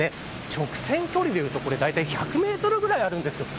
直線距離でいうとだいたい１００メートルぐらいあるんです。